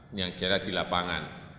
ini yang jarak di lapangan